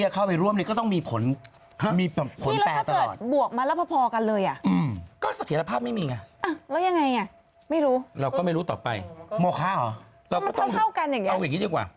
โมคะเหรอมันเท่ากันอย่างนี้เราก็ต้องเอาอย่างนี้ดีกว่า